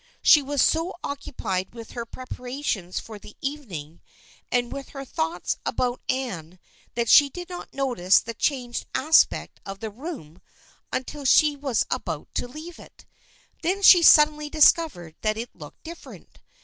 She was so occupied with her preparations for the evening and with her thoughts about Anne that she did not notice the changed aspect of the room until she was about to leave it. Then she suddenly discovered that it looked different.